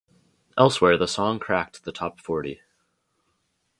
Elsewhere, the song cracked the top-forty.